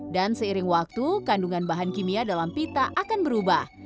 dan seiring waktu kandungan bahan kimia dalam pita akan berubah